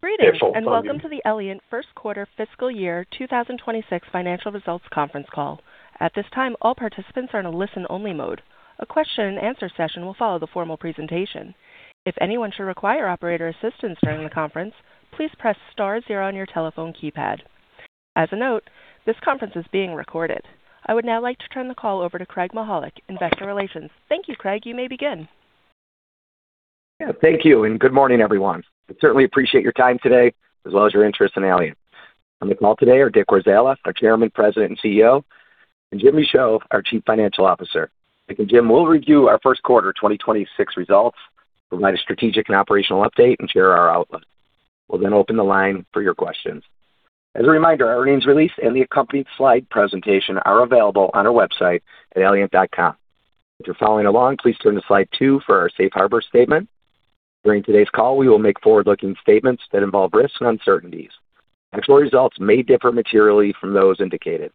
Greetings, and welcome to the Allient first quarter fiscal year 2026 financial results conference call. At this time all participants are on a listen only mode. A question-and-answer will follow formal presentation. If anyone should require operator assistant during the conference please press star zero on your telephone keypad. As note this conference is been recorded. Would now like to turn the call over to Craig Mychajluk, Investor Relations. Thank you, Craig. You may begin. Yeah. Thank you, good morning, everyone. We certainly appreciate your time today, as well as your interest in Allient. On the call today are Dick Warzala, our Chairman, President, and CEO, and Jim Michaud, our Chief Financial Officer. Dick and Jim will review our first quarter 2026 results, provide a strategic and operational update, and share our outlook. We'll open the line for your questions. As a reminder, our earnings release and the accompanied slide presentation are available on our website at allient.com. If you're following along, please turn to slide two for our safe harbor statement. During today's call, we will make forward-looking statements that involve risks and uncertainties. Actual results may differ materially from those indicated.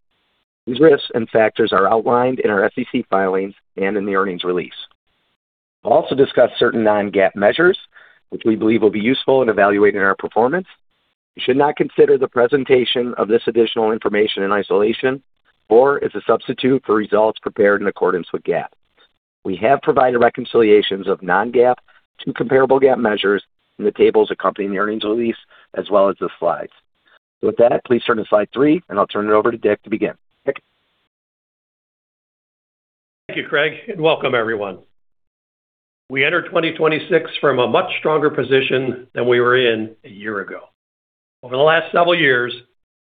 These risks and factors are outlined in our SEC filings and in the earnings release. We'll also discuss certain non-GAAP measures, which we believe will be useful in evaluating our performance. You should not consider the presentation of this additional information in isolation or as a substitute for results prepared in accordance with GAAP. We have provided reconciliations of non-GAAP to comparable GAAP measures in the tables accompanying the earnings release, as well as the slides. With that, please turn to slide three, and I'll turn it over to Dick to begin. Dick? Thank you, Craig, and welcome everyone. We enter 2026 from a much stronger position than we were in a year ago. Over the last several years,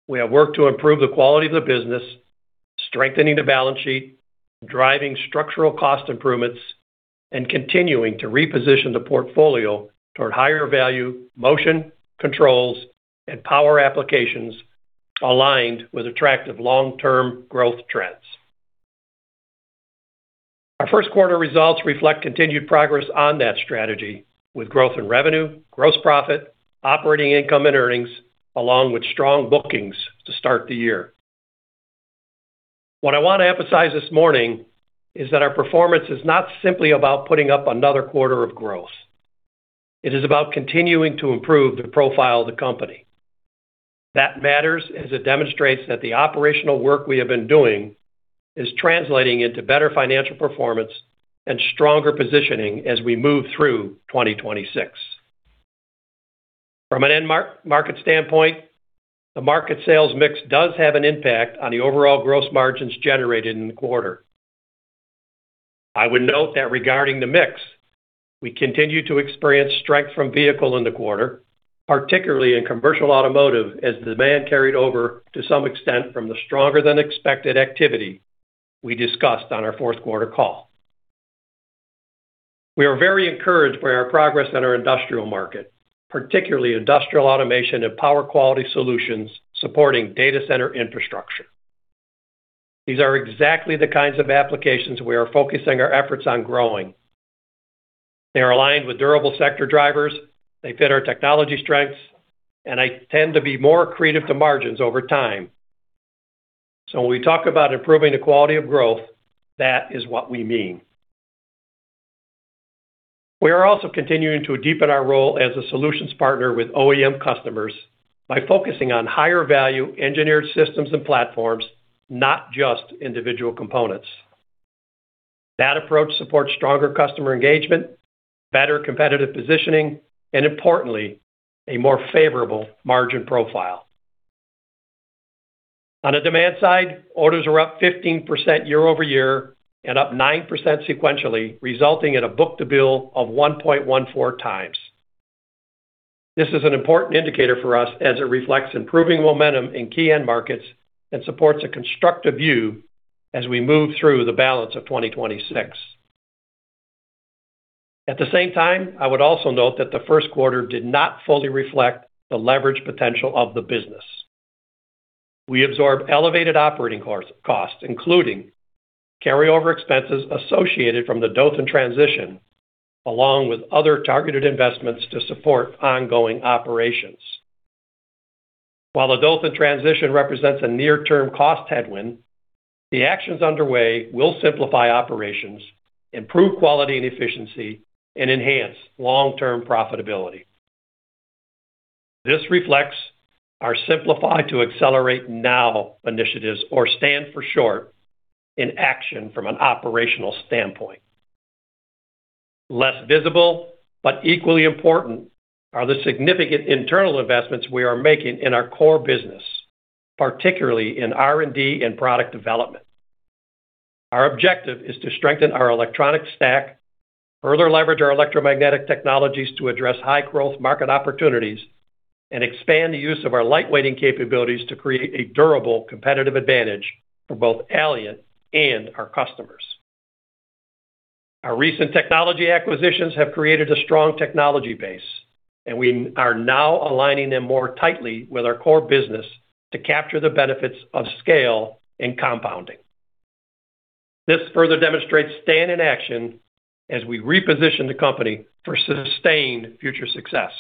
we have worked to improve the quality of the business, strengthening the balance sheet, driving structural cost improvements, and continuing to reposition the portfolio toward higher value motion, controls, and power applications aligned with attractive long-term growth trends. Our first quarter results reflect continued progress on that strategy with growth in revenue, gross profit, operating income, and earnings, along with strong bookings to start the year. What I want to emphasize this morning is that our performance is not simply about putting up another quarter of growth. It is about continuing to improve the profile of the company. That matters as it demonstrates that the operational work we have been doing is translating into better financial performance and stronger positioning as we move through 2026. From an end market standpoint, the market sales mix does have an impact on the overall gross margins generated in the quarter. I would note that regarding the mix, we continue to experience strength from vehicle in the quarter, particularly in commercial automotive, as demand carried over to some extent from the stronger than expected activity we discussed on our fourth quarter call. We are very encouraged by our progress in our industrial market, particularly industrial automation and power quality solutions supporting data center infrastructure. These are exactly the kinds of applications we are focusing our efforts on growing. They are aligned with durable sector drivers, they fit our technology strengths, and they tend to be more accretive to margins over time. When we talk about improving the quality of growth, that is what we mean. We are also continuing to deepen our role as a solutions partner with OEM customers by focusing on higher value engineered systems and platforms, not just individual components. That approach supports stronger customer engagement, better competitive positioning, and importantly, a more favorable margin profile. On the demand side, orders were up 15% year-over-year and up 9% sequentially, resulting in a book-to-bill of 1.14 times. This is an important indicator for us as it reflects improving momentum in key end markets and supports a constructive view as we move through the balance of 2026. At the same time, I would also note that the first quarter did not fully reflect the leverage potential of the business. We absorbed elevated operating costs, including carryover expenses associated from the Dothan transition, along with other targeted investments to support ongoing operations. While the Dothan transition represents a near-term cost headwind, the actions underway will simplify operations, improve quality and efficiency, and enhance long-term profitability. This reflects our Simplify to Accelerate NOW initiatives, or STAND for short, in action from an operational standpoint. Less visible but equally important are the significant internal investments we are making in our core business, particularly in R&D and product development. Our objective is to strengthen our electronic stack, further leverage our electromagnetic technologies to address high-growth market opportunities, and expand the use of our lightweighting capabilities to create a durable competitive advantage for both Allient and our customers. Our recent technology acquisitions have created a strong technology base, and we are now aligning them more tightly with our core business to capture the benefits of scale and compounding. This further demonstrates STAND in action as we reposition the company for sustained future success.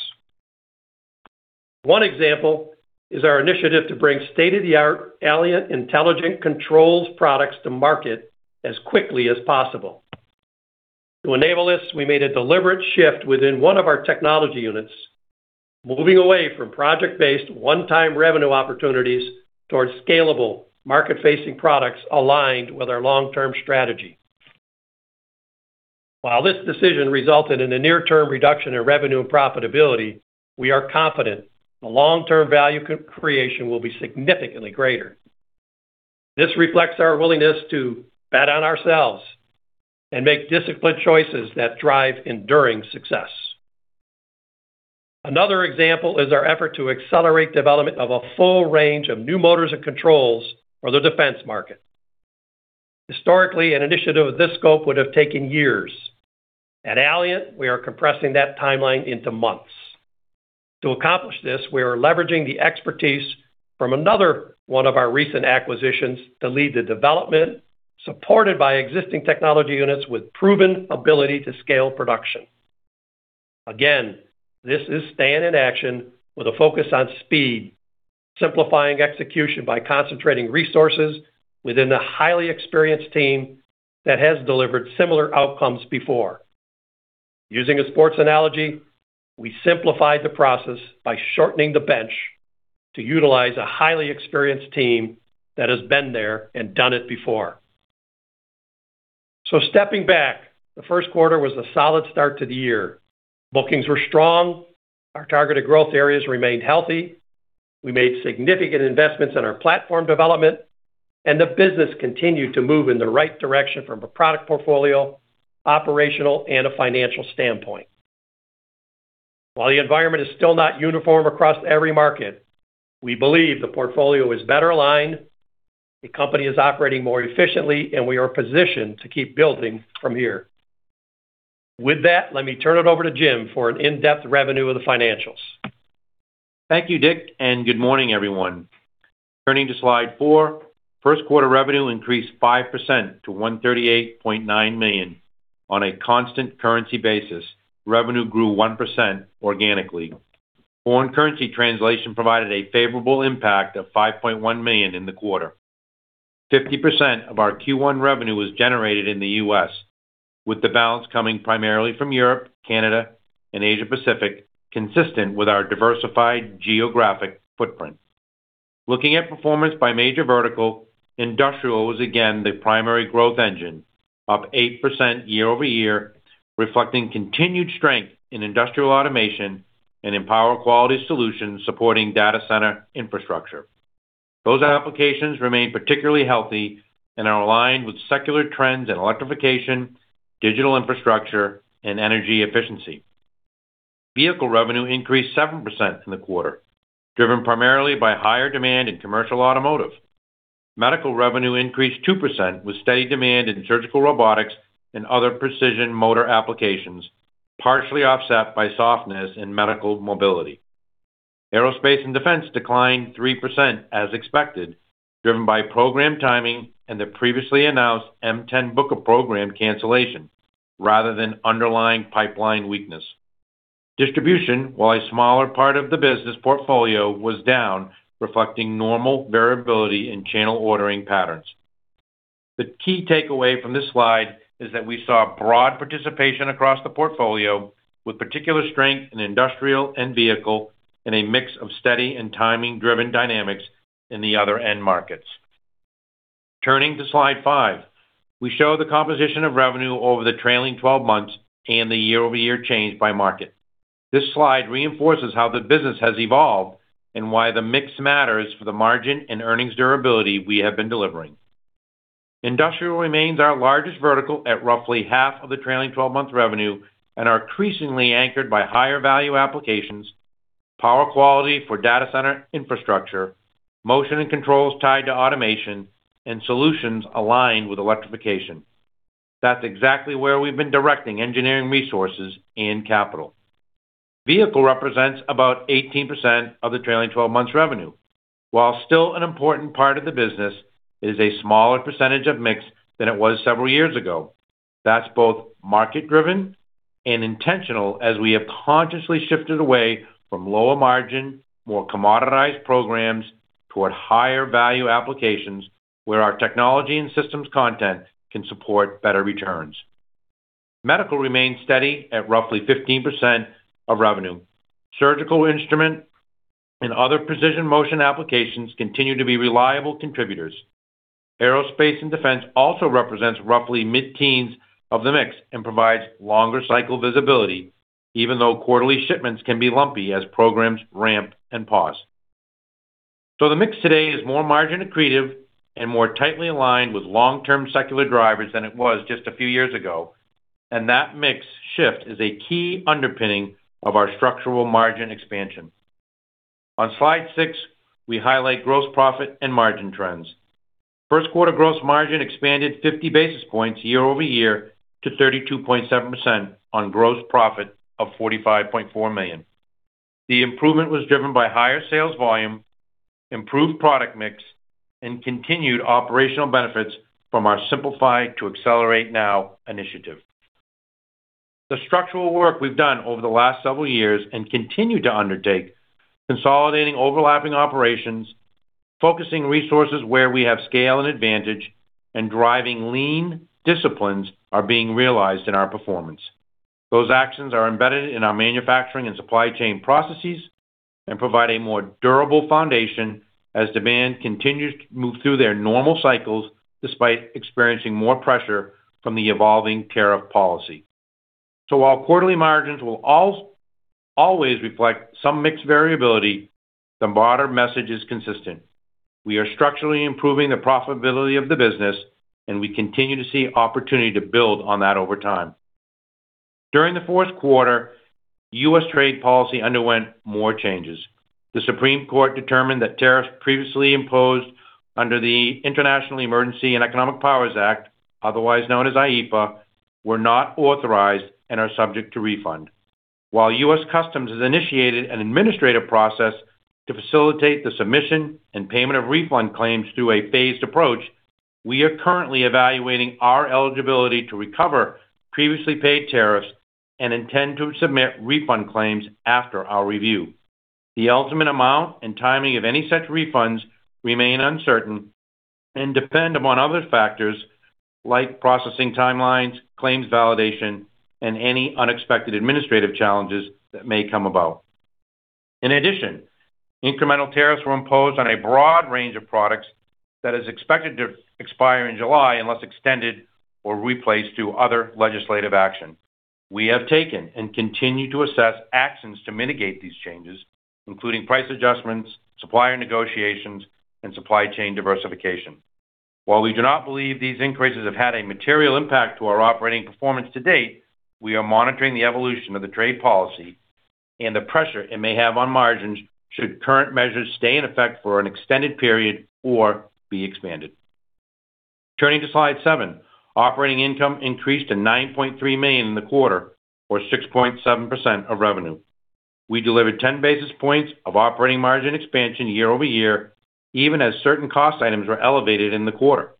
One example is our initiative to bring state-of-the-art Allient intelligent controls products to market as quickly as possible. To enable this, we made a deliberate shift within one of our technology units, moving away from project-based one-time revenue opportunities towards scalable market-facing products aligned with our long-term strategy. While this decision resulted in a near-term reduction in revenue and profitability, we are confident the long-term value creation will be significantly greater. This reflects our willingness to bet on ourselves and make disciplined choices that drive enduring success. Another example is our effort to accelerate development of a full range of new motors and controls for the defense market. Historically, an initiative of this scope would have taken years. At Allient, we are compressing that timeline into months. To accomplish this, we are leveraging the expertise from another one of our recent acquisitions to lead the development, supported by existing technology units with proven ability to scale production. Again, this is STAND in action with a focus on speed, simplifying execution by concentrating resources within a highly experienced team that has delivered similar outcomes before. Using a sports analogy, we simplified the process by shortening the bench to utilize a highly experienced team that has been there and done it before. Stepping back, the first quarter was a solid start to the year. Bookings were strong, our targeted growth areas remained healthy, we made significant investments in our platform development, and the business continued to move in the right direction from a product portfolio, operational, and a financial standpoint. While the environment is still not uniform across every market, we believe the portfolio is better aligned, the company is operating more efficiently, and we are positioned to keep building from here. With that, let me turn it over to Jim for an in-depth revenue of the financials. Thank you, Dick, and good morning, everyone. Turning to slide four, first quarter revenue increased 5% to $138.9 million. On a constant currency basis, revenue grew 1% organically. Foreign currency translation provided a favorable impact of $5.1 million in the quarter. 50% of our Q1 revenue was generated in the U.S., with the balance coming primarily from Europe, Canada, and Asia-Pacific, consistent with our diversified geographic footprint. Looking at performance by major vertical, industrial was again the primary growth engine, up 8% year-over-year, reflecting continued strength in industrial automation and in power quality solutions supporting data center infrastructure. Those applications remain particularly healthy and are aligned with secular trends in electrification, digital infrastructure, and energy efficiency. Vehicle revenue increased 7% in the quarter, driven primarily by higher demand in commercial automotive. Medical revenue increased 2% with steady demand in surgical robotics and other precision motor applications, partially offset by softness in medical mobility. Aerospace and defense declined 3% as expected, driven by program timing and the previously announced M10 Booker program cancellation rather than underlying pipeline weakness. Distribution, while a smaller part of the business portfolio, was down, reflecting normal variability in channel ordering patterns. The key takeaway from this slide is that we saw broad participation across the portfolio with particular strength in industrial and vehicle and a mix of steady and timing-driven dynamics in the other end markets. Turning to slide five, we show the composition of revenue over the trailing 12 months and the year-over-year change by market. This slide reinforces how the business has evolved and why the mix matters for the margin and earnings durability we have been delivering. Industrial remains our largest vertical at roughly half of the trailing 12 month revenue and are increasingly anchored by higher value applications, power quality for data center infrastructure, motion and controls tied to automation, and solutions aligned with electrification. That's exactly where we've been directing engineering resources and capital. Vehicle represents about 18% of the trailing 12 months revenue. While still an important part of the business, it is a smaller percentage of mix than it was several years ago. That's both market-driven and intentional as we have consciously shifted away from lower margin, more commoditized programs toward higher value applications where our technology and systems content can support better returns. Medical remains steady at roughly 15% of revenue. Surgical instrument and other precision motion applications continue to be reliable contributors. Aerospace and defense also represents roughly mid-teens of the mix and provides longer cycle visibility, even though quarterly shipments can be lumpy as programs ramp and pause. The mix today is more margin accretive and more tightly aligned with long-term secular drivers than it was just a few years ago. That mix shift is a key underpinning of our structural margin expansion. On slide six, we highlight gross profit and margin trends. First quarter gross margin expanded 50 basis points year-over-year to 32.7% on gross profit of $45.4 million. The improvement was driven by higher sales volume, improved product mix, and continued operational benefits from our Simplify to Accelerate NOW initiative. The structural work we've done over the last several years and continue to undertake, consolidating overlapping operations. Focusing resources where we have scale and advantage and driving lean disciplines are being realized in our performance. Those actions are embedded in our manufacturing and supply chain processes and provide a more durable foundation as demand continues to move through their normal cycles despite experiencing more pressure from the evolving tariff policy. While quarterly margins will always reflect some mixed variability, the broader message is consistent. We are structurally improving the profitability of the business, and we continue to see opportunity to build on that over time. During the fourth quarter, U.S. trade policy underwent more changes. The Supreme Court determined that tariffs previously imposed under the International Emergency Economic Powers Act, otherwise known as IEEPA, were not authorized and are subject to refund. While U.S. Customs has initiated an administrative process to facilitate the submission and payment of refund claims through a phased approach, we are currently evaluating our eligibility to recover previously paid tariffs and intend to submit refund claims after our review. The ultimate amount and timing of any such refunds remain uncertain and depend upon other factors like processing timelines, claims validation, and any unexpected administrative challenges that may come about. In addition, incremental tariffs were imposed on a broad range of products that is expected to expire in July unless extended or replaced through other legislative action. We have taken and continue to assess actions to mitigate these changes, including price adjustments, supplier negotiations, and supply chain diversification. While we do not believe these increases have had a material impact to our operating performance to date, we are monitoring the evolution of the trade policy and the pressure it may have on margins should current measures stay in effect for an extended period or be expanded. Turning to slide seven, operating income increased to $9.3 million in the quarter, or 6.7% of revenue. We delivered 10 basis points of operating margin expansion year-over-year, even as certain cost items were elevated in the quarter.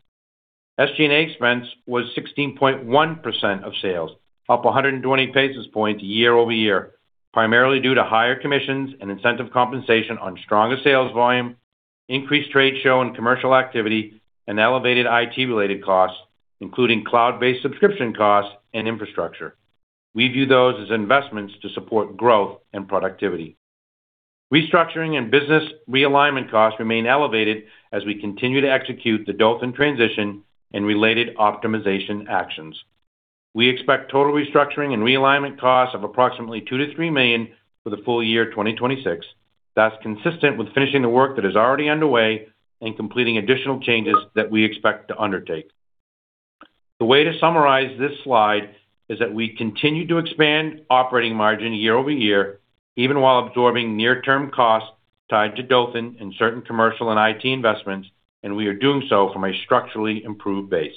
SG&A expense was 16.1% of sales, up 120 basis points year-over-year, primarily due to higher commissions and incentive compensation on stronger sales volume, increased trade show and commercial activity, and elevated IT-related costs, including cloud-based subscription costs and infrastructure. We view those as investments to support growth and productivity. Restructuring and business realignment costs remain elevated as we continue to execute the Dothan transition and related optimization actions. We expect total restructuring and realignment costs of approximately $2 million-$3 million for the full year 2026. That's consistent with finishing the work that is already underway and completing additional changes that we expect to undertake. The way to summarize this slide is that we continue to expand operating margin year-over-year, even while absorbing near-term costs tied to Dothan and certain commercial and IT investments. We are doing so from a structurally improved base.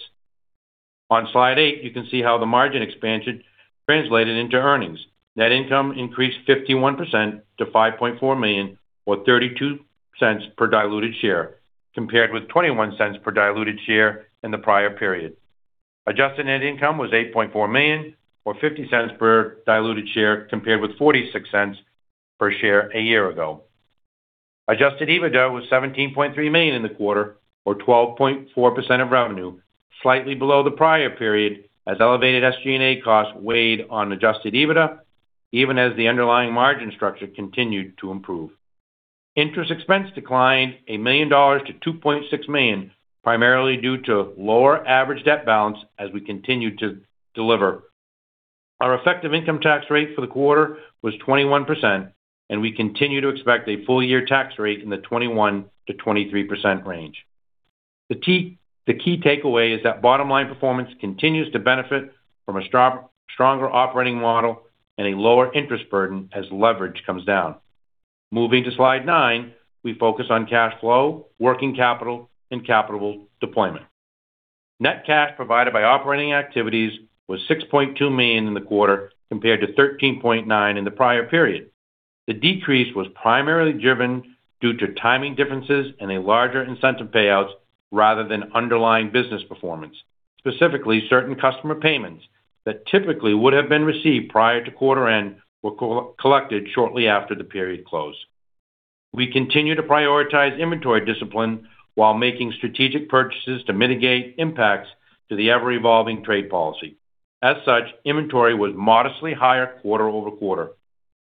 On slide eight, you can see how the margin expansion translated into earnings. Net income increased 51% to $5.4 million, or $0.32 per diluted share, compared with $0.21 per diluted share in the prior period. Adjusted net income was $8.4 million, or $0.50 per diluted share, compared with $0.46 per share a year ago. Adjusted EBITDA was $17.3 million in the quarter, or 12.4% of revenue, slightly below the prior period as elevated SG&A costs weighed on Adjusted EBITDA, even as the underlying margin structure continued to improve. Interest expense declined $1 million to $2.6 million, primarily due to lower average debt balance as we continue to deliver. Our effective income tax rate for the quarter was 21%. We continue to expect a full year tax rate in the 21%-23% range. The key takeaway is that bottom line performance continues to benefit from a stronger operating model and a lower interest burden as leverage comes down. Moving to slide nine, we focus on cash flow, working capital and capital deployment. Net cash provided by operating activities was $6.2 million in the quarter compared to $13.9 in the prior period. The decrease was primarily driven due to timing differences and a larger incentive payouts rather than underlying business performance. Specifically, certain customer payments that typically would have been received prior to quarter end were collected shortly after the period close. We continue to prioritize inventory discipline while making strategic purchases to mitigate impacts to the ever-evolving trade policy. As such, inventory was modestly higher quarter-over-quarter.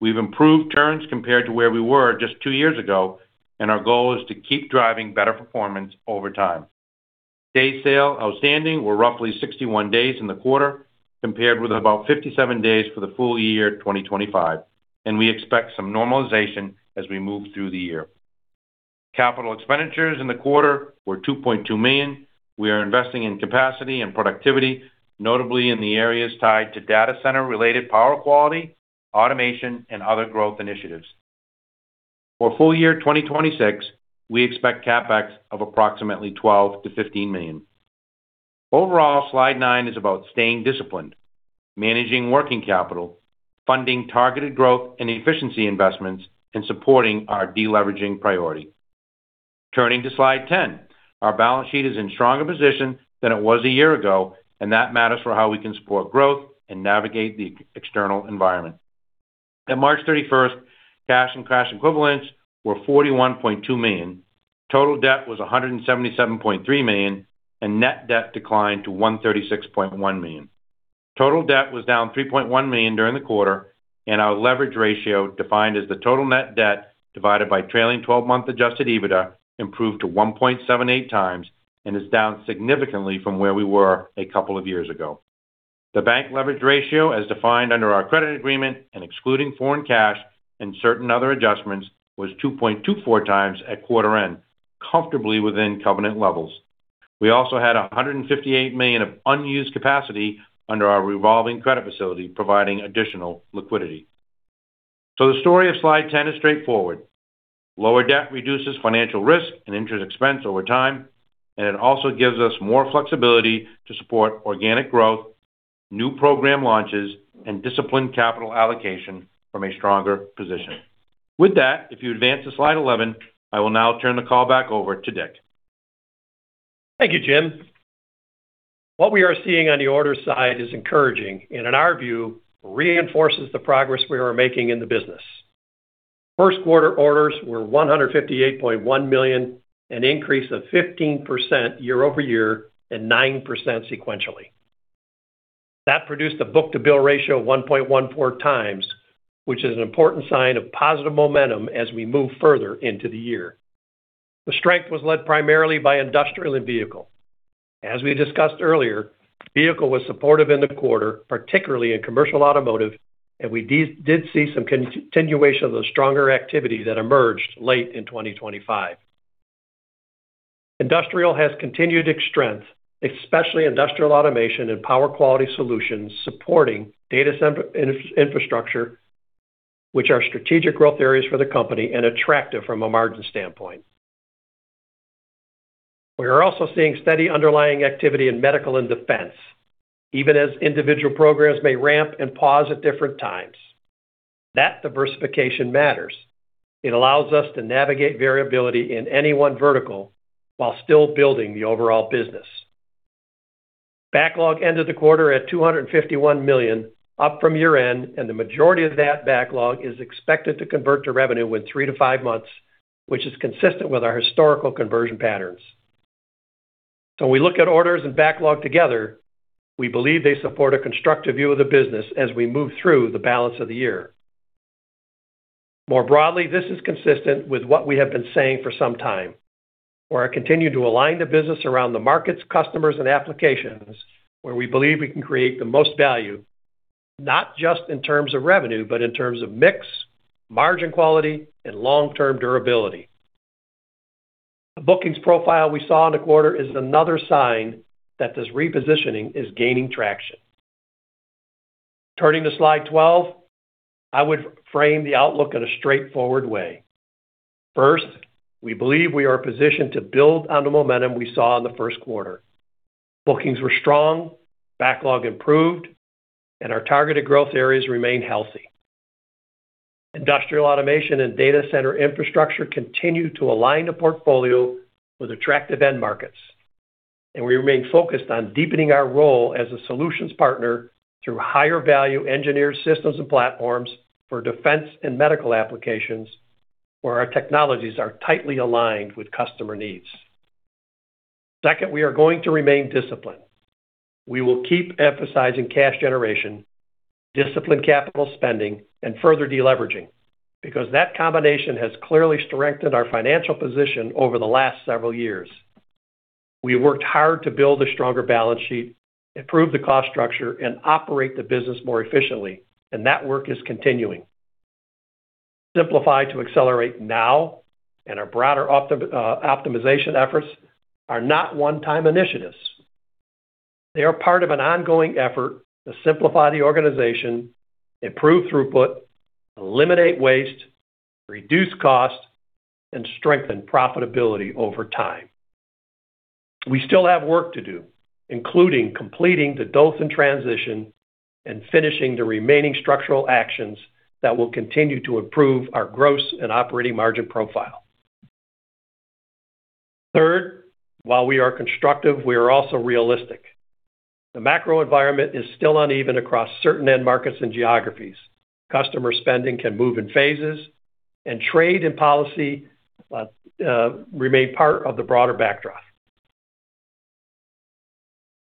We've improved turns compared to where we were just two years ago, and our goal is to keep driving better performance over time. Day sales outstanding were roughly 61 days in the quarter, compared with about 57 days for the full year 2025, we expect some normalization as we move through the year. Capital expenditures in the quarter were $2.2 million. We are investing in capacity and productivity, notably in the areas tied to data center related power quality, automation and other growth initiatives. For full year 2026, we expect CapEx of approximately $12 million-$15 million. Overall, slide nine is about staying disciplined, managing working capital, funding targeted growth and efficiency investments, and supporting our deleveraging priority. Turning to slide 10. Our balance sheet is in stronger position than it was a year ago, that matters for how we can support growth and navigate the external environment. At March 31st, cash and cash equivalents were $41.2 million. Total debt was $177.3 million, and net debt declined to $136.1 million. Total debt was down $3.1 million during the quarter, and our leverage ratio, defined as the total net debt divided by trailing 12 month Adjusted EBITDA, improved to 1.78 times and is down significantly from where we were a couple of years ago. The bank leverage ratio, as defined under our credit agreement and excluding foreign cash and certain other adjustments, was 2.24 times at quarter end, comfortably within covenant levels. We also had $158 million of unused capacity under our revolving credit facility, providing additional liquidity. The story of slide 10 is straightforward. Lower debt reduces financial risk and interest expense over time. It also gives us more flexibility to support organic growth, new program launches, and disciplined capital allocation from a stronger position. With that, if you advance to slide 11, I will now turn the call back over to Dick. Thank you, Jim. What we are seeing on the order side is encouraging and, in our view, reinforces the progress we are making in the business. First quarter orders were $158.1 million, an increase of 15% year-over-year and 9% sequentially. That produced a book-to-bill ratio of 1.14 times, which is an important sign of positive momentum as we move further into the year. The strength was led primarily by industrial and vehicle. As we discussed earlier, vehicle was supportive in the quarter, particularly in commercial automotive, and we did see some continuation of the stronger activity that emerged late in 2025. Industrial has continued its strength, especially industrial automation and power quality solutions supporting data center infrastructure, which are strategic growth areas for the company and attractive from a margin standpoint. We are also seeing steady underlying activity in medical and defense, even as individual programs may ramp and pause at different times. That diversification matters. It allows us to navigate variability in any one vertical while still building the overall business. Backlog ended the quarter at $251 million, up from year-end. The majority of that backlog is expected to convert to revenue within three to five months, which is consistent with our historical conversion patterns. When we look at orders and backlog together, we believe they support a constructive view of the business as we move through the balance of the year. More broadly, this is consistent with what we have been saying for some time, where I continue to align the business around the markets, customers, and applications where we believe we can create the most value, not just in terms of revenue, but in terms of mix, margin quality, and long-term durability. The bookings profile we saw in the quarter is another sign that this repositioning is gaining traction. Turning to slide 12, I would frame the outlook in a straightforward way. First, we believe we are positioned to build on the momentum we saw in the first quarter. Bookings were strong, backlog improved, and our targeted growth areas remain healthy. Industrial automation and data center infrastructure continue to align the portfolio with attractive end markets, and we remain focused on deepening our role as a solutions partner through higher-value engineered systems and platforms for defense and medical applications where our technologies are tightly aligned with customer needs. Second, we are going to remain disciplined. We will keep emphasizing cash generation, disciplined CapEx, and further deleveraging because that combination has clearly strengthened our financial position over the last several years. We have worked hard to build a stronger balance sheet, improve the cost structure, and operate the business more efficiently, and that work is continuing. Simplify to Accelerate NOW and our broader optimization efforts are not one-time initiatives. They are part of an ongoing effort to simplify the organization, improve throughput, eliminate waste, reduce costs, and strengthen profitability over time. We still have work to do, including completing the Dothan transition and finishing the remaining structural actions that will continue to improve our gross and operating margin profile. Third, while we are constructive, we are also realistic. The macro environment is still uneven across certain end markets and geographies. Customer spending can move in phases, and trade and policy remain part of the broader backdrop.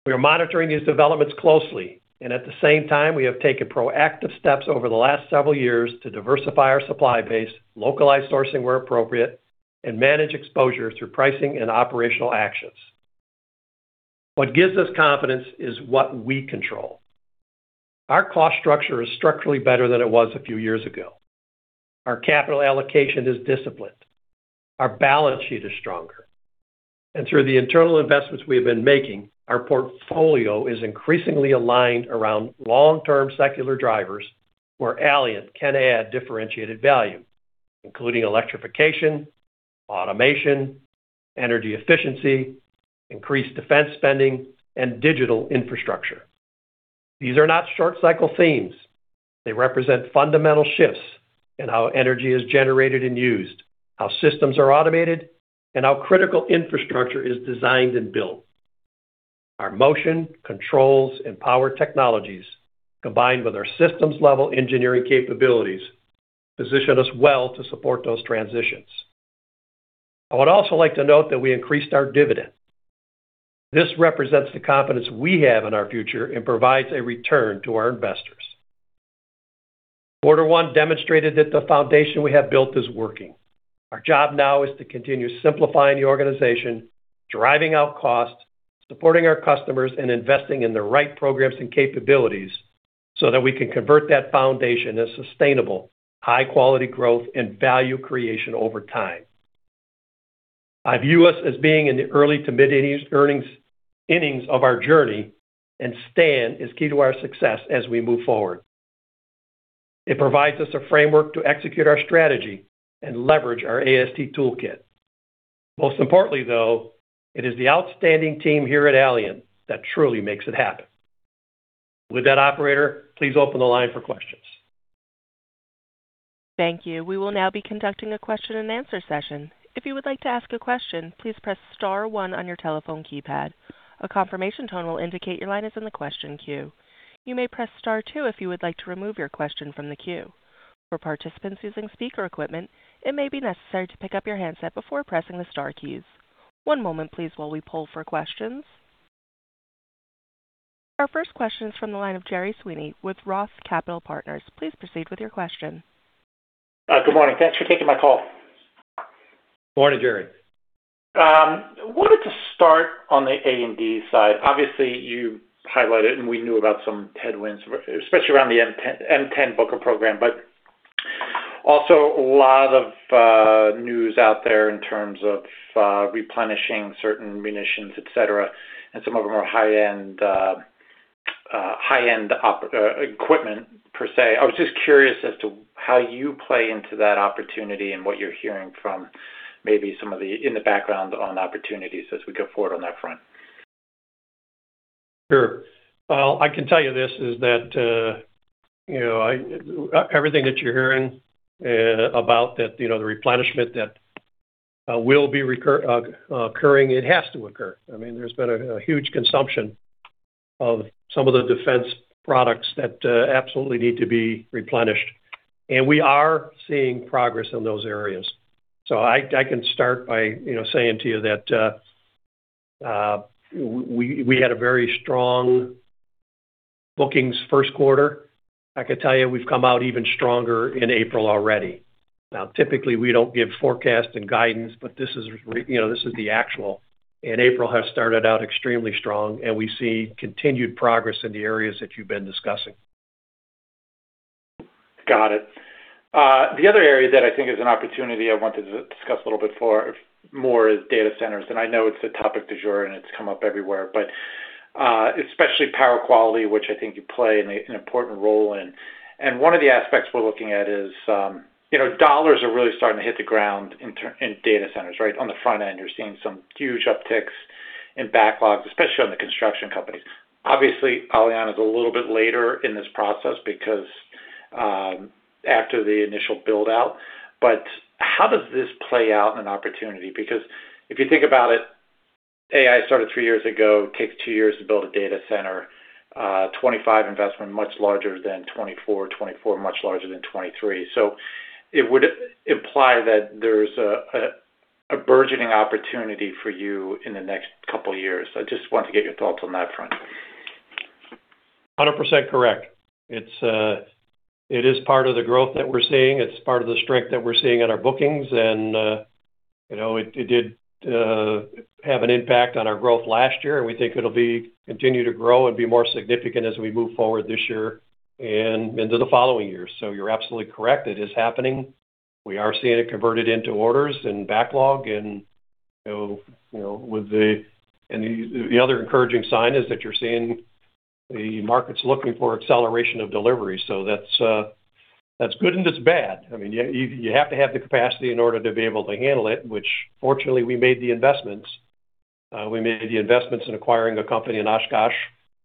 We are monitoring these developments closely, and at the same time, we have taken proactive steps over the last several years to diversify our supply base, localize sourcing where appropriate, and manage exposure through pricing and operational actions. What gives us confidence is what we control. Our cost structure is structurally better than it was a few years ago. Our capital allocation is disciplined. Our balance sheet is stronger. Through the internal investments we have been making, our portfolio is increasingly aligned around long-term secular drivers where Allient can add differentiated value, including electrification, automation, energy efficiency, increased defense spending, and digital infrastructure. These are not short-cycle themes. They represent fundamental shifts in how energy is generated and used, how systems are automated, and how critical infrastructure is designed and built. Our motion, controls, and power technologies, combined with our systems-level engineering capabilities, position us well to support those transitions. I would also like to note that we increased our dividend. This represents the confidence we have in our future and provides a return to our investors. Quarter one demonstrated that the foundation we have built is working. Our job now is to continue simplifying the organization, driving out costs, supporting our customers, and investing in the right programs and capabilities so that we can convert that foundation into sustainable, high-quality growth and value creation over time. I view us as being in the early to mid innings of our journey. STAND is key to our success as we move forward. It provides us a framework to execute our strategy and leverage our AST toolkit. Most importantly, though, it is the outstanding team here at Allient that truly makes it happen. With that, operator, please open the line for questions. Thank you. We will now be conducting a question-and-answer session. If you would like to ask a question, please press star one on your telephone keypad. A confirmation tone will indicate your line is in the question queue. You may press star two if you would like to remove your question from the queue. For participants using speaker equipment, it may be necessary to pick up your handset before pressing the star keys. One moment, please, while we poll for questions. Our first question is from the line of Gerard Sweeney with ROTH Capital Partners. Please proceed with your question. Good morning. Thanks for taking my call. Morning, Gerard. Wanted to start on the A&D side. Obviously, you highlighted, and we knew about some headwinds, especially around the M10 Booker program. Also a lot of news out there in terms of replenishing certain munitions, et cetera, and some of them are high-end equipment per se. I was just curious as to how you play into that opportunity and what you're hearing from maybe some of the in the background on opportunities as we go forward on that front. Sure. Well, I can tell you this, is that, you know, everything that you're hearing about that, you know, the replenishment that will be occurring, it has to occur. I mean, there's been a huge consumption of some of the defense products that absolutely need to be replenished. We are seeing progress in those areas. I can start by, you know, saying to you that we had a very strong bookings first quarter. I could tell you we've come out even stronger in April already. Typically, we don't give forecast and guidance, but this is you know, this is the actual, and April has started out extremely strong, and we see continued progress in the areas that you've been discussing. Got it. The other area that I think is an opportunity I wanted to discuss a little bit for more is data centers. I know it's the topic du jour, and it's come up everywhere, especially power quality, which I think you play an important role in. One of the aspects we're looking at is, you know, dollars are really starting to hit the ground in data centers, right? On the front end, you're seeing some huge upticks in backlogs, especially on the construction companies. Obviously, Allient is a little bit later in this process because after the initial build-out. How does this play out in an opportunity? Because if you think about it, AI started three years ago, takes two years to build a data center, 2025 investment, much larger than 2024. 2024, much larger than 2023. It would imply that there's a burgeoning opportunity for you in the next couple of years. I just want to get your thoughts on that front. 100% correct. It's part of the growth that we're seeing. It's part of the strength that we're seeing in our bookings. You know, it did have an impact on our growth last year, and we think it'll be continue to grow and be more significant as we move forward this year and into the following years. You're absolutely correct. It is happening. We are seeing it converted into orders and backlog and, you know, with the other encouraging sign is that you're seeing the markets looking for acceleration of delivery. That's good and it's bad. I mean, you have to have the capacity in order to be able to handle it, which fortunately, we made the investments. We made the investments in acquiring a company in Oshkosh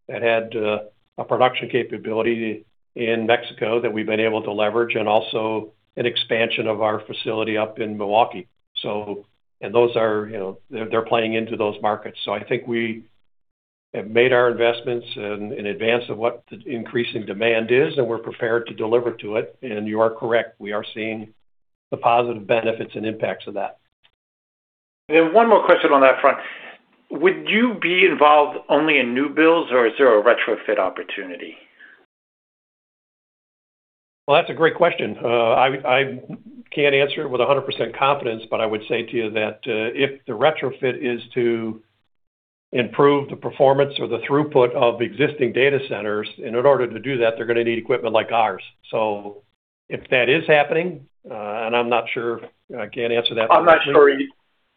that had a production capability in Mexico that we've been able to leverage and also an expansion of our facility up in Milwaukee. Those are, you know, they're playing into those markets. I think we have made our investments in advance of what the increasing demand is, and we're prepared to deliver to it. You are correct. We are seeing the positive benefits and impacts of that. One more question on that front. Would you be involved only in new builds, or is there a retrofit opportunity? Well, that's a great question. I can't answer it with 100% confidence, but I would say to you that, if the retrofit is to improve the performance or the throughput of existing data centers, in order to do that, they're going to need equipment like ours. If that is happening, and I'm not sure, I can't answer that.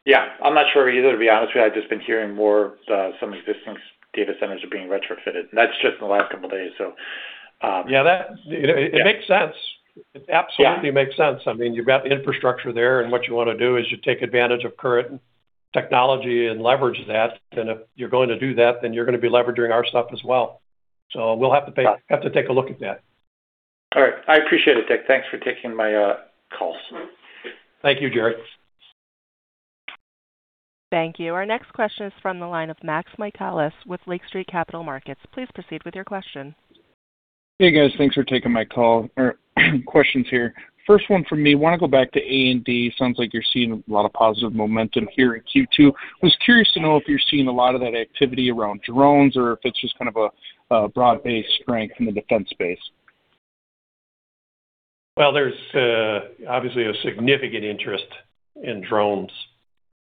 Yeah, I'm not sure either, to be honest with you. I've just been hearing more of some existing data centers are being retrofitted, and that's just in the last couple of days. Yeah. Yeah. It makes sense. Yeah. It absolutely makes sense. I mean, you've got the infrastructure there, what you wanna do is you take advantage of current technology and leverage that. If you're going to do that, then you're gonna be leveraging our stuff as well. Right. Have to take a look at that. All right. I appreciate it, Dick. Thanks for taking my call. Thank you, Gerard. Thank you. Our next question is from the line of Max Michaelis with Lake Street Capital Markets. Please proceed with your question. Hey, guys. Thanks for taking my call or questions here. First one from me, wanna go back to A&D. Sounds like you're seeing a lot of positive momentum here in Q2. Was curious to know if you're seeing a lot of that activity around drones or if it's just kind of a broad-based strength in the defense space? Well, there's obviously a significant interest in drones,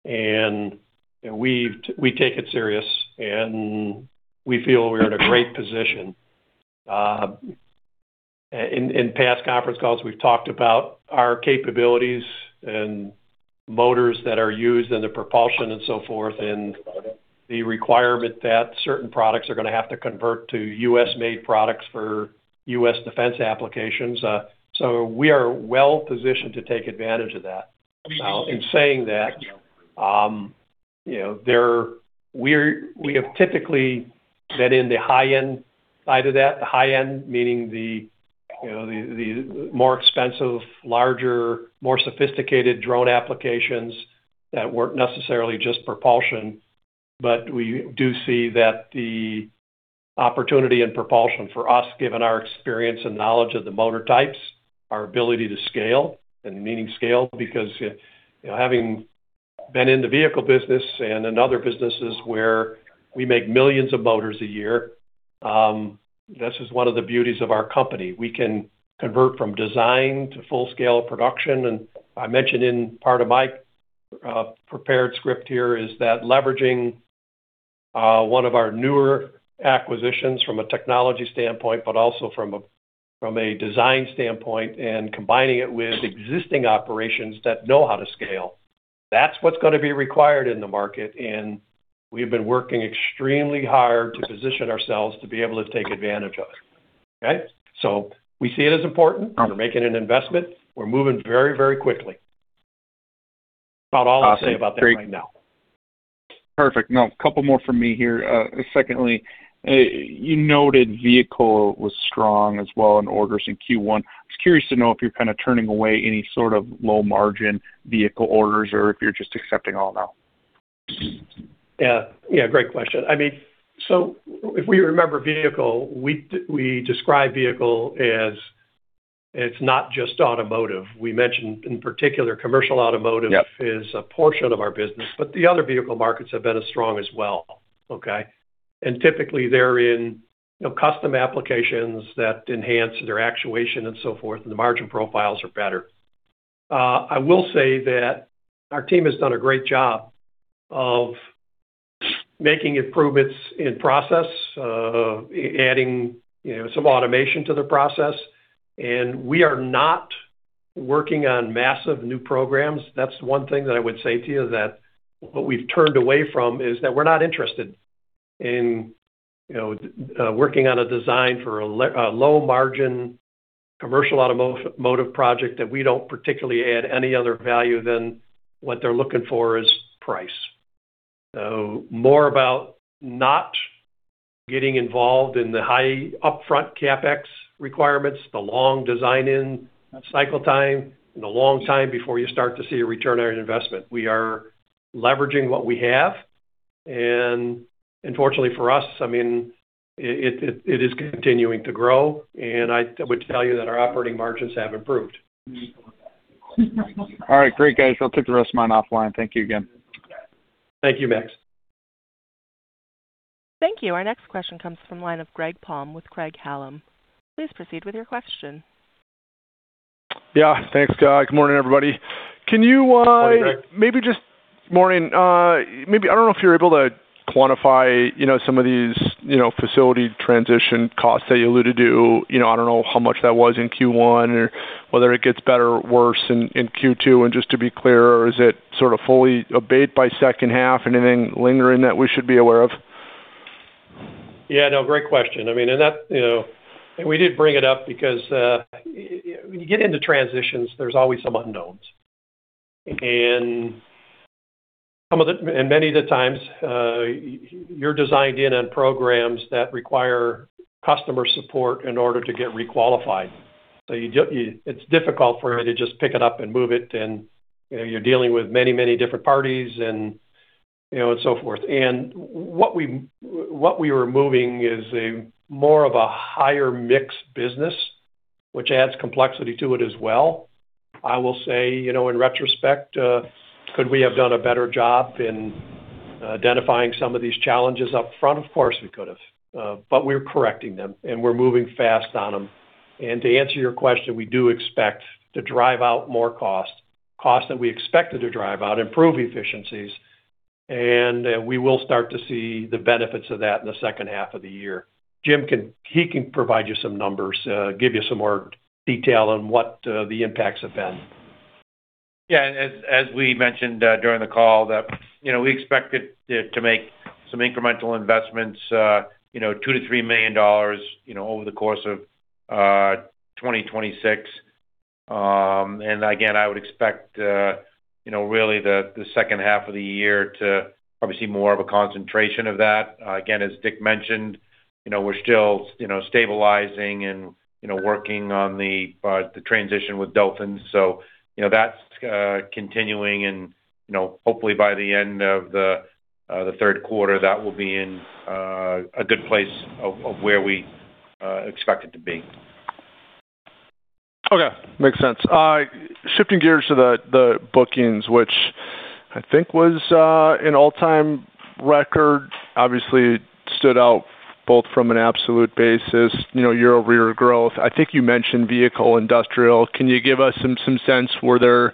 and we take it serious, and we feel we're in a great position. In past conference calls, we've talked about our capabilities and motors that are used in the propulsion and so forth, and the requirement that certain products are gonna have to convert to U.S.-made products for U.S. defense applications. We are well-positioned to take advantage of that. Now, in saying that, you know, we have typically been in the high-end side of that. The high end, meaning the, you know, the more expensive, larger, more sophisticated drone applications that weren't necessarily just propulsion. We do see that the opportunity in propulsion for us, given our experience and knowledge of the motor types, our ability to scale, and meaning scale because, you know, having been in the vehicle business and in other businesses where we make millions of motors a year, this is one of the beauties of our company. We can convert from design to full-scale production. I mentioned in part of my prepared script here is that leveraging one of our newer acquisitions from a technology standpoint but also from a design standpoint and combining it with existing operations that know how to scale, that's what's going to be required in the market, and we've been working extremely hard to position ourselves to be able to take advantage of it. Okay? We see it as important. We're making an investment. We're moving very quickly. About all I'll say about that right now. Perfect. A couple more from me here. Secondly, you noted vehicle was strong as well in orders in Q1. I was curious to know if you're kind of turning away any sort of low margin vehicle orders or if you're just accepting all now? Yeah. Yeah, great question. I mean, if we remember vehicle, we describe vehicle as it's not just automotive. We mentioned in particular commercial automotive. Yep Is a portion of our business. The other vehicle markets have been as strong as well, okay? Typically, they're in, you know, custom applications that enhance their actuation and so forth, and the margin profiles are better. I will say that our team has done a great job of making improvements in process, adding, you know, some automation to the process, and we are not working on massive new programs. That's one thing that I would say to you, that what we've turned away from is that we're not interested in, you know, working on a design for a low margin commercial automotive project that we don't particularly add any other value than what they're looking for is price. More about not getting involved in the high upfront CapEx requirements, the long design-in cycle time, and the long time before you start to see a return on your investment. We are leveraging what we have, and unfortunately for us, I mean, it is continuing to grow, and I would tell you that our operating margins have improved. All right. Great, guys. I'll take the rest of mine offline. Thank you again. Thank you, Max. Thank you. Our next question comes from line of Greg Palm with Craig-Hallum. Please proceed with your question. Yeah. Thanks. Good morning, everybody. Can you. Morning, Greg. Morning. Maybe I don't know if you're able to quantify, you know, some of these, you know, facility transition costs that you alluded to. You know, I don't know how much that was in Q1 or whether it gets better or worse in Q2. Just to be clear, is it sort of fully abate by second half? Anything lingering that we should be aware of? Yeah, no, great question. I mean, that, you know, we did bring it up because you get into transitions, there's always some unknowns. Many of the times, you're designed in on programs that require customer support in order to get re-qualified. It's difficult for you to just pick it up and move it, and, you know, you're dealing with many, many different parties and, you know, and so forth. What we were moving is a more of a higher mix business, which adds complexity to it as well. I will say, you know, in retrospect, could we have done a better job in identifying some of these challenges up front? Of course, we could have. We're correcting them, and we're moving fast on them. To answer your question, we do expect to drive out more cost that we expected to drive out, improve efficiencies, and we will start to see the benefits of that in the second half of the year. Jim can provide you some numbers, give you some more detail on what the impacts have been. Yeah. As we mentioned during the call that, you know, we expected to make some incremental investments, you know, $2 million-$3 million, you know, over the course of 2026. Again, I would expect, you know, really the second half of the year to obviously more of a concentration of that. Again, as Dick mentioned, you know, we're still, you know, stabilizing and, you know, working on the transition with Delfin. You know, that's continuing and, you know, hopefully by the end of the third quarter, that will be in a good place of where we expect it to be. Okay. Makes sense. Shifting gears to the bookings, which I think was an all-time record. Obviously, it stood out both from an absolute basis, you know, year-over-year growth. I think you mentioned vehicle industrial. Can you give us some sense, were there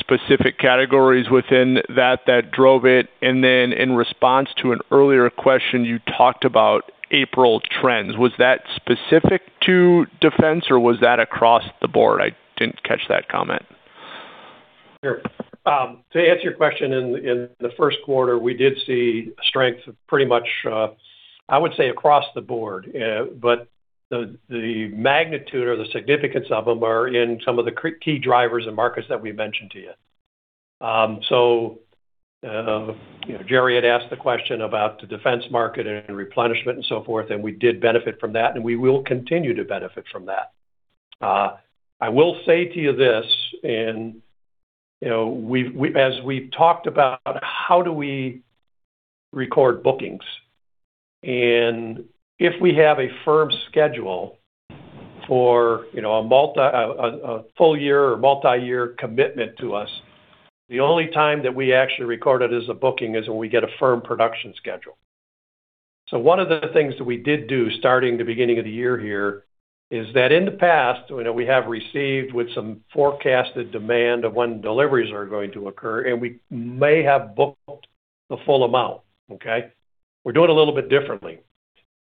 specific categories within that that drove it? Then in response to an earlier question, you talked about April trends. Was that specific to defense, or was that across the board? I didn't catch that comment. Sure. To answer your question, in the first quarter, we did see strength of pretty much, I would say across the board. The magnitude or the significance of them are in some of the key drivers and markets that we mentioned to you. You know, Gerard had asked the question about the defense market and replenishment and so forth, we did benefit from that, we will continue to benefit from that. I will say to you this, you know, as we've talked about how do we record bookings? If we have a firm schedule for, you know, a full year or multiyear commitment to us, the only time that we actually record it as a booking is when we get a firm production schedule. One of the things that we did do starting the beginning of the year here is that in the past, you know, we have received with some forecasted demand of when deliveries are going to occur, and we may have booked the full amount, okay. We're doing it a little bit differently.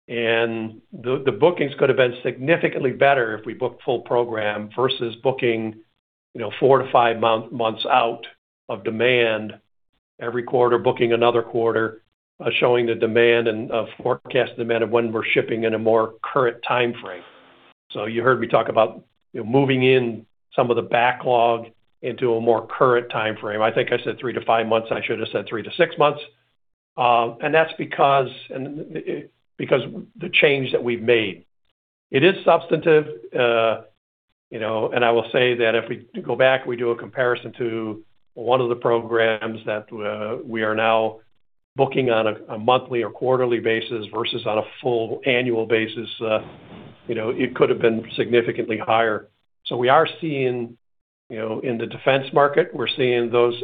The bookings could have been significantly better if we book full program versus booking, you know, four to five months out of demand every quarter, booking another quarter, showing the demand and of forecast demand of when we're shipping in a more current timeframe. You heard me talk about, you know, moving in some of the backlog into a more current timeframe. I think I said three to five months, and I should have said three to six months. That's because, and because the change that we've made. It is substantive, you know, I will say that if we go back, we do a comparison to one of the programs that we are now booking on a monthly or quarterly basis versus on a full annual basis, you know, it could have been significantly higher. We are seeing, you know, in the defense market, we're seeing those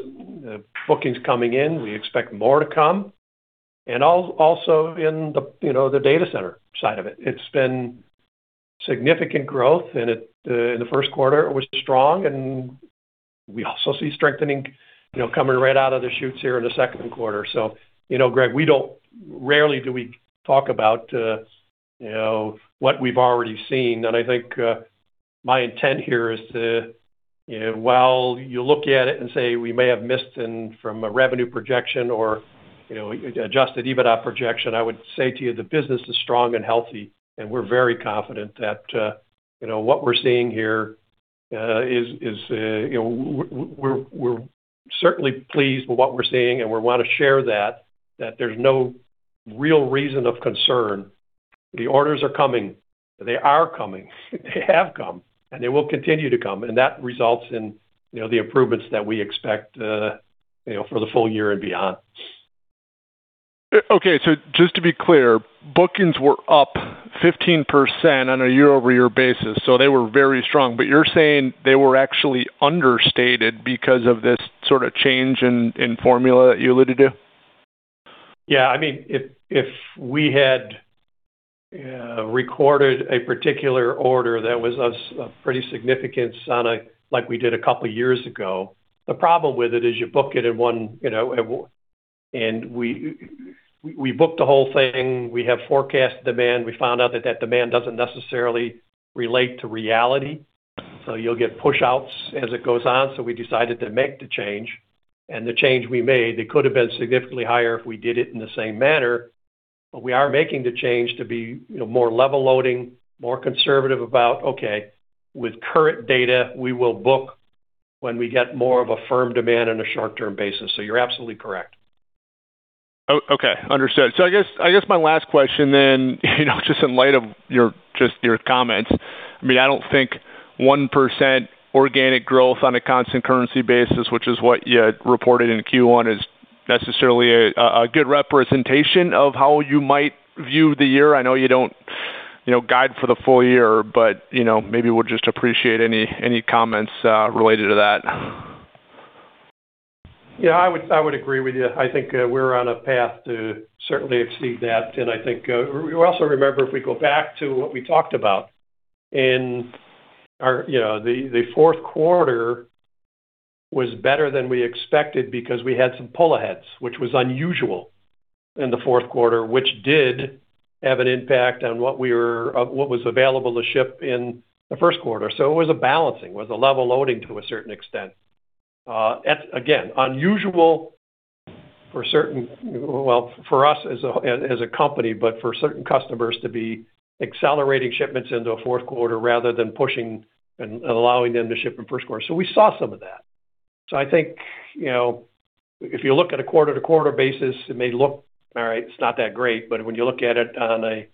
bookings coming in. We expect more to come. Also in the, you know, the data center side of it. It's been significant growth, and it in the first quarter, it was strong, and we also see strengthening, you know, coming right out of the chutes here in the second quarter. You know, Greg, rarely do we talk about, you know, what we've already seen. I think, my intent here is to, you know, while you look at it and say, we may have missed in from a revenue projection or, you know, Adjusted EBITDA projection, I would say to you the business is strong and healthy, and we're very confident that, you know, what we're seeing here, is, you know, we're certainly pleased with what we're seeing, and we wanna share that there's no real reason of concern. The orders are coming. They are coming. They have come, and they will continue to come. That results in, you know, the improvements that we expect, you know, for the full year and beyond. Just to be clear, bookings were up 15% on a year-over-year basis. They were very strong. You're saying they were actually understated because of this sort of change in formula that you alluded to? Yeah. I mean, if we had recorded a particular order that was a pretty significant sum of, like we did a couple years ago, the problem with it is you book it in one. We book the whole thing. We have forecast demand. We found out that that demand doesn't necessarily relate to reality, so you'll get push-outs as it goes on. We decided to make the change. The change we made, it could have been significantly higher if we did it in the same manner. We are making the change to be, you know, more level-loading, more conservative about, okay, with current data, we will book when we get more of a firm demand on a short-term basis. You're absolutely correct. Okay. Understood. I guess my last question then, you know, just in light of your comments, I mean, I don't think 1% organic growth on a constant currency basis, which is what you had reported in Q1, is necessarily a good representation of how you might view the year. I know you don't, you know, guide for the full year, but, you know, maybe we'll just appreciate any comments related to that. Yeah, I would agree with you. I think we're on a path to certainly exceed that. I think we also remember if we go back to what we talked about in our, you know, fourth quarter was better than we expected because we had some pull aheads, which was unusual in the fourth quarter, which did have an impact on what was available to ship in the first quarter. It was a balancing. It was a level loading to a certain extent. At again, unusual for us as a company, but for certain customers to be accelerating shipments into a fourth quarter rather than pushing and allowing them to ship in first quarter. We saw some of that. I think, you know, if you look at a quarter-to-quarter basis, it may look all right, it's not that great, but when you look at it on a,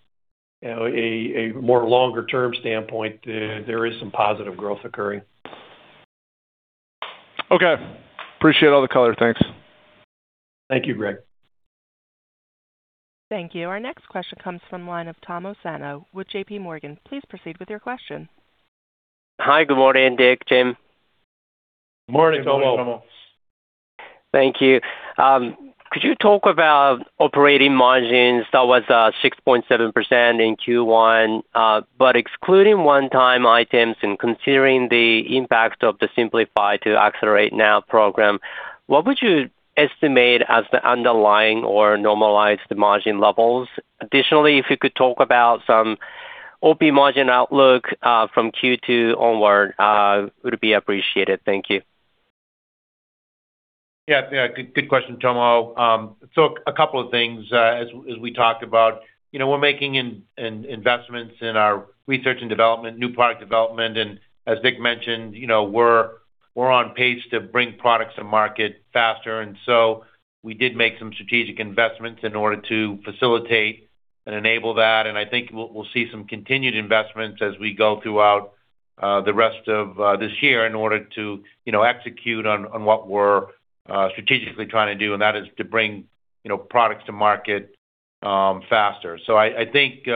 you know, a more longer-term standpoint, there is some positive growth occurring. Okay. Appreciate all the color. Thanks. Thank you, Greg. Thank you. Our next question comes from line of Tomohiko Sano with JPMorgan. Please proceed with your question. Hi, good morning, Dick, Jim. Morning, Tomo. Morning, Tomo. Thank you. Could you talk about operating margins? That was 6.7% in Q1, but excluding one-time items and considering the impact of the Simplify to Accelerate NOW program, what would you estimate as the underlying or normalized margin levels? Additionally, if you could talk about some OP margin outlook from Q2 onward, it would be appreciated. Thank you. Good question, Tomohiko. A couple of things. As we talked about, you know, we're making investments in our research and development, new product development, and as Dick mentioned, you know, we're on pace to bring products to market faster. We did make some strategic investments in order to facilitate and enable that. I think we'll see some continued investments as we go throughout the rest of this year in order to, you know, execute on what we're strategically trying to do, and that is to bring, you know, products to market faster. I think, you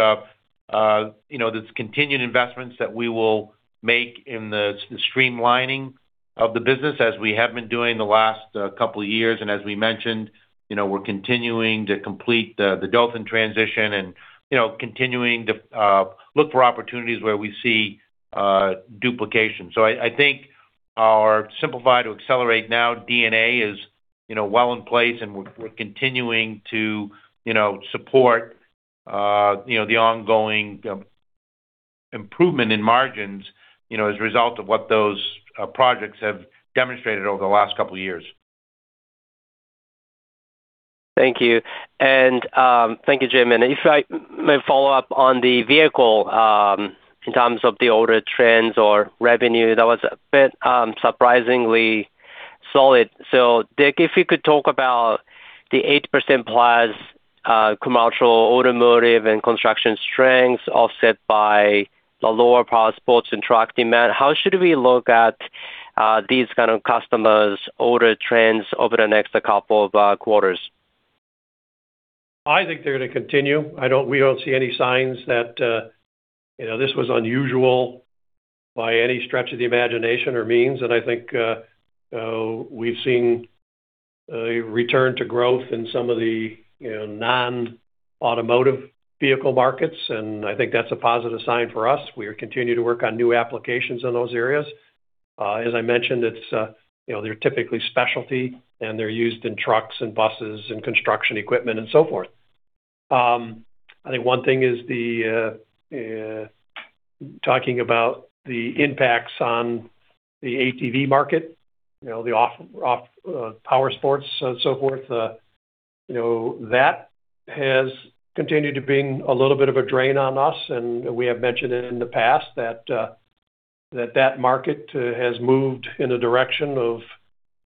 know, there's continued investments that we will make in the streamlining of the business as we have been doing the last couple years. As we mentioned, you know, we're continuing to complete the Dolphyn transition and, you know, continuing to look for opportunities where we see duplication. I think our Simplify to Accelerate NOW DNA is, you know, well in place, and we're continuing to, you know, support, you know, the ongoing improvement in margins, you know, as a result of what those projects have demonstrated over the last couple years. Thank you. Thank you, Jim. If I may follow up on the vehicle, in terms of the order trends or revenue, that was a bit surprisingly solid. Dick, if you could talk about the 8% plus commercial, automotive, and construction strength offset by the lower powersports and truck demand. How should we look at these kind of customers' order trends over the next couple quarters? I think they're gonna continue. We don't see any signs that, you know, this was unusual by any stretch of the imagination or means. I think we've seen a return to growth in some of the, you know, non-automotive vehicle markets, and I think that's a positive sign for us. We continue to work on new applications in those areas. As I mentioned, it's, you know, they're typically specialty, and they're used in trucks and buses and construction equipment and so forth. I think one thing is the talking about the impacts on the ATV market, you know, the off powersports and so forth. You know, that has continued to being a little bit of a drain on us, and we have mentioned it in the past that that market has moved in a direction of,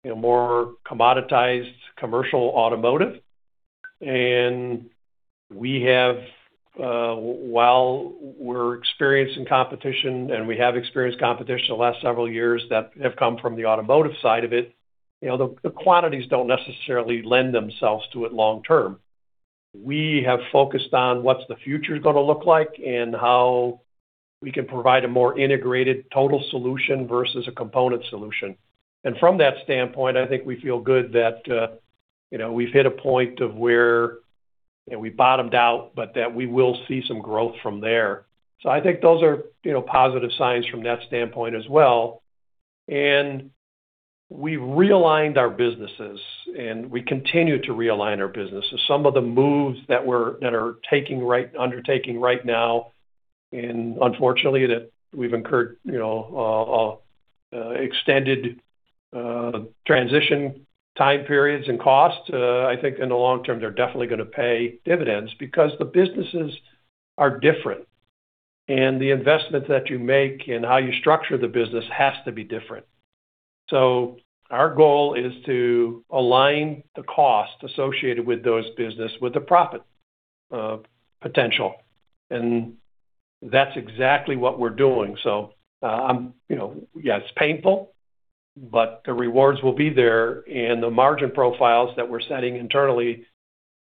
you know, more commoditized commercial automotive. We have, while we're experiencing competition, and we have experienced competition the last several years that have come from the automotive side of it, you know, the quantities don't necessarily lend themselves to it long term. We have focused on what's the future gonna look like and how we can provide a more integrated total solution versus a component solution. From that standpoint, I think we feel good that, you know, we've hit a point of where, you know, we bottomed out, but that we will see some growth from there. I think those are, you know, positive signs from that standpoint as well. We realigned our businesses, and we continue to realign our businesses. Some of the moves that we're undertaking right now, and unfortunately, that we've incurred, you know, extended transition time periods and costs, I think in the long term, they're definitely gonna pay dividends because the businesses are different. The investments that you make and how you structure the business has to be different. Our goal is to align the cost associated with those business with the profit potential. That's exactly what we're doing. You know, yeah, it's painful, but the rewards will be there. The margin profiles that we're setting internally,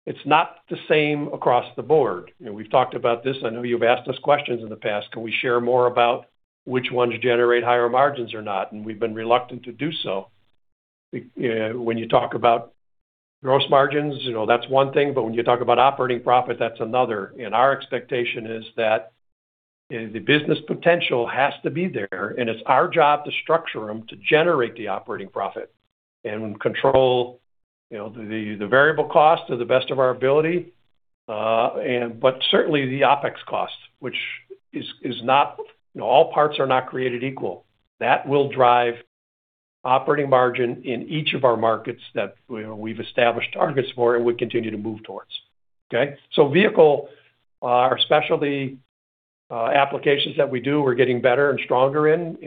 it's not the same across the board. You know, we've talked about this. I know you've asked us questions in the past, can we share more about which ones generate higher margins or not? We've been reluctant to do so. You know, when you talk about gross margins, you know, that's one thing, but when you talk about operating profit, that's another. Our expectation is that, you know, the business potential has to be there, and it's our job to structure them to generate the operating profit and control, you know, the variable cost to the best of our ability. Certainly the OpEx cost, which is not, you know, all parts are not created equal. That will drive operating margin in each of our markets that we know we've established targets for and we continue to move towards. Okay? Vehicle, our specialty applications that we do, we're getting better and stronger in.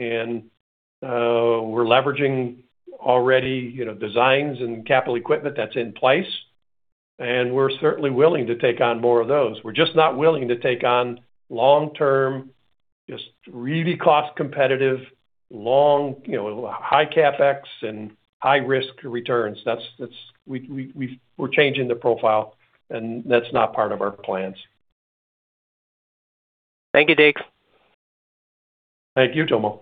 We're leveraging already, you know, designs and capital equipment that's in place, and we're certainly willing to take on more of those. We're just not willing to take on long-term, just really cost competitive, long, you know, high CapEx and high risk returns. We're changing the profile, and that's not part of our plans. Thank you, Dick. Thank you, Tomohiko.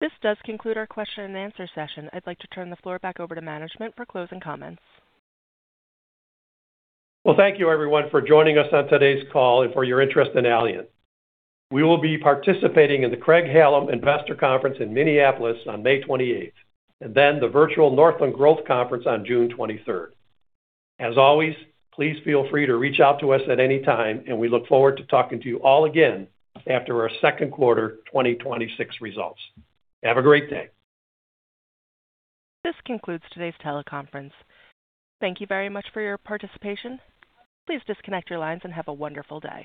This does conclude our question-and-answer session. I'd like to turn the floor back over to management for closing comments. Well, thank you everyone for joining us on today's call and for your interest in Allient. We will be participating in the Craig-Hallum Investor Conference in Minneapolis on May 28th, and then the Virtual Northland Growth Conference on June 23rd. As always, please feel free to reach out to us at any time, and we look forward to talking to you all again after our second quarter 2026 results. Have a great day. This concludes today's teleconference. Thank you very much for your participation. Please disconnect your lines and have a wonderful day.